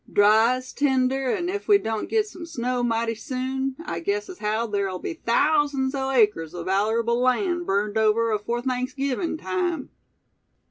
"Dry as tinder, an' ef we doan't git sum snow mighty soon, I guess as haow ther'll be thousands o' acres o' vallerable land burned over afore Thanksgivin' time."